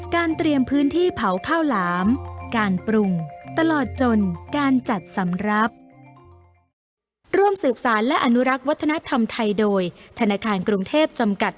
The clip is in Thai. เตรียมพื้นที่เผาข้าวหลามการปรุงตลอดจนการจัดสำหรับ